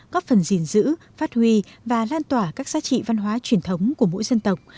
góp phần gìn giữ phát huy và lan tỏa các giá trị văn hóa truyền thống của mỗi dân tộc